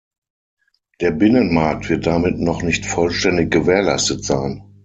Der Binnenmarkt wird damit noch nicht vollständig gewährleistet sein.